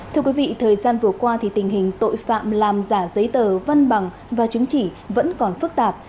thưa quý vị thời gian vừa qua thì tình hình tội phạm làm giả giấy tờ văn bằng và chứng chỉ vẫn còn phức tạp